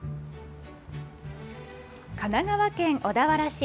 神奈川県小田原市。